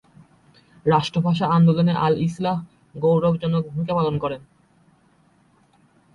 রাষ্ট্রভাষা আন্দোলনে আল ইসলাহ গৌরবজনক ভূমিকা পালন করে।